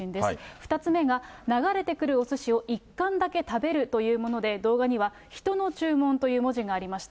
２つ目が、流れてくるおすしを１貫だけ食べるというもので、動画には、人の注文という文字がありました。